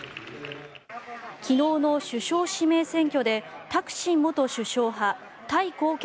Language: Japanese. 昨日の首相指名選挙でタクシン元首相派タイ貢献